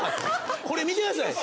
これ見てください。